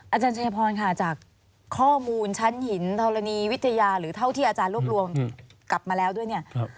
อาจารย์ชัยพรค่ะจากข้อมูลชั้นหินธรณีวิทยาหรือเท่าที่อาจารย์รวบรวมกลับมาแล้วด้วยเนี่ย